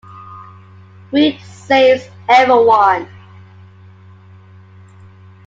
Reed saves everyone.